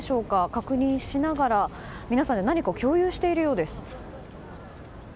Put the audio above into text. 確認しながら皆さんで何かを共有しているようです。